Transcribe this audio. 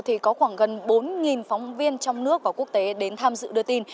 thì có khoảng gần bốn phóng viên trong nước và quốc tế đến tham dự đưa tin